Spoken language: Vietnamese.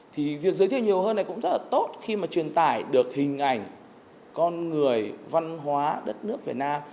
thì việc giới thiệu nhiều hơn này cũng rất là tốt khi mà truyền tải được hình ảnh con người văn hóa đất nước việt nam